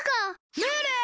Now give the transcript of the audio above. ムール！